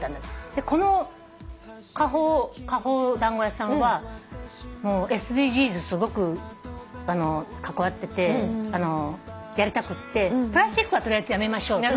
でこの果朋団子屋さんはＳＤＧｓすごく関わっててやりたくってプラスチックは取りあえずやめましょうと。